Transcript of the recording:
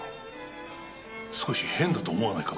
少し変だと思わないか？